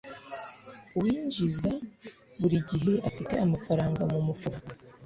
uwinjiza buri gihe afite amafaranga mumufuka